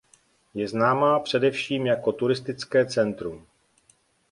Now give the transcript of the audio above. Je známá především jako turistické centrum.